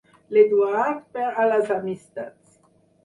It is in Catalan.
L'Eduard per a les amistats.